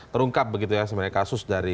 terungkap begitu ya sebenarnya kasus dari